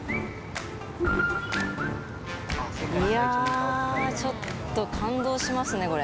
いやちょっと感動しますねこれ。